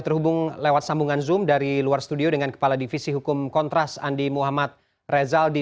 terhubung lewat sambungan zoom dari luar studio dengan kepala divisi hukum kontras andi muhammad rezaldi